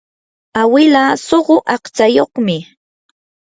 awilaa suqu aqtsayuqmi.